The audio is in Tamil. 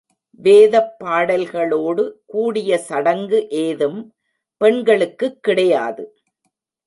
வேதப் பாடல்களோடு கூடிய சடங்கு ஏதும் பெண்களுக்குக் கிடையாது.